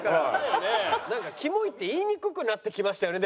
なんか「キモイ」って言いにくくなってきましたよね